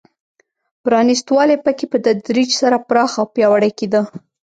پرانېست والی په کې په تدریج سره پراخ او پیاوړی کېده.